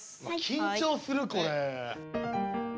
緊張するこれ。